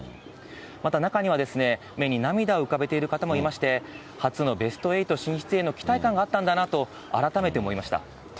また中にはですね、目に涙を浮かべている方もいまして、初のベスト８進出への期待感があったんだなと、改めて思いました。